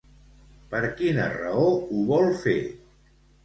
Per quina raó ho vol fer?